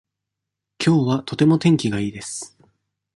きょうはとても天気がいいです。